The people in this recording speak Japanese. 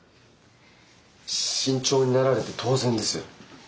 慎重になられて当然です。